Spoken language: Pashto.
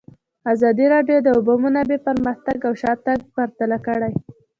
ازادي راډیو د د اوبو منابع پرمختګ او شاتګ پرتله کړی.